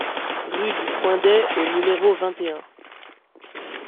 Rue du Poundet au numéro vingt et un